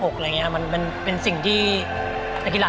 นอกจากนักเตะรุ่นใหม่จะเข้ามาเป็นตัวขับเคลื่อนทีมชาติไทยชุดนี้แล้ว